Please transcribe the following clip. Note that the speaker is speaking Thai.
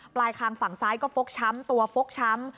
คางฝั่งซ้ายก็ฟกช้ำตัวฟกช้ำ